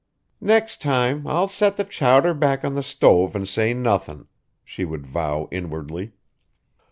"Next time I'll set the chowder back on the stove an' say nothin'," she would vow inwardly.